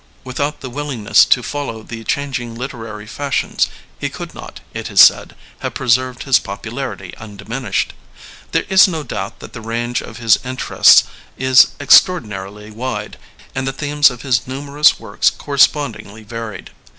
|^nYithout the willingness to follow the changing literary fashions, he could not, it is said, have preserved his popularity 10 LEONID ANDREYEV undiminished. There is no doubt that the range of his interests is extraordinarily wide, and the themes of his numerous works correspondingly varied.